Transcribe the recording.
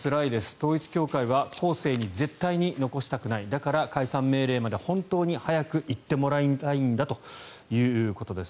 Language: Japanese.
統一教会は後世に絶対に残したくないだから解散命令まで本当に早く行ってもらいたいんだということです。